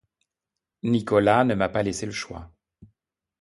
Nicolas ne m’a pas laissé le choix.